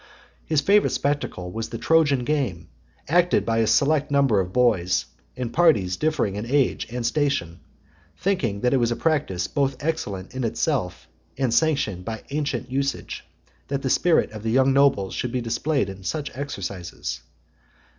His favourite spectacle was the Trojan game, acted by a select number of boys, in parties differing in age and station; thinking (106) that it was a practice both excellent in itself, and sanctioned by ancient usage, that the spirit of the young nobles should be displayed in such exercises.